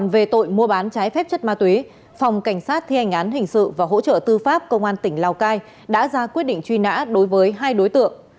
về tội mua bán trái phép chất ma túy phòng cảnh sát thi hành án hình sự và hỗ trợ tư pháp công an tỉnh lào cai đã ra quyết định truy nã đối với hai đối tượng